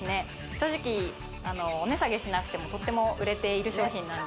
正直あのお値下げしなくてもとっても売れている商品なんですね